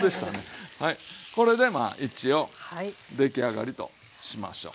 これでまあ一応出来上がりとしましょう。